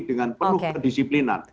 dengan penuh kedisiplinan